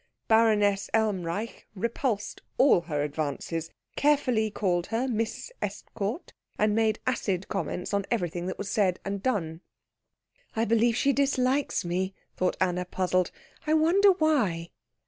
Baroness Elmreich repulsed all her advances, carefully called her Miss Estcourt, and made acid comments on everything that was said and done. "I believe she dislikes me," thought Anna, puzzled. "I wonder why?"